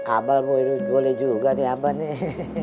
abah boleh juga nih abah nih